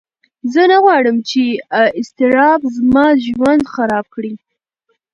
زه نه غواړم چې اضطراب زما ژوند خراب کړي.